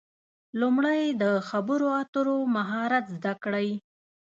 لومړی د خبرو اترو مهارت زده کړئ.